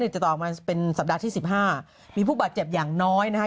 เนี่ยจะต่อมาเป็นสัปดาห์ที่สิบห้ามีผู้บาดเจ็บอย่างน้อยนะคะ